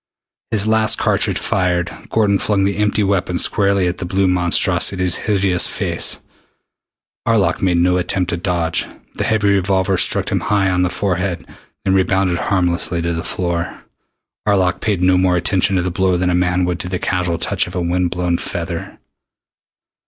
His last cartridge fired, Gordon flung the empty weapon squarely at the blue monstrosity's hideous face. Arlok made no attempt to dodge. The heavy revolver struck him high on the forehead, then rebounded harmlessly to the floor. Arlok paid no more attention to the blow than a man would to the casual touch of a wind blown feather.